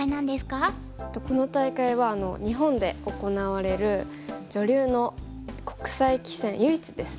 この大会は日本で行われる女流の国際棋戦唯一ですね。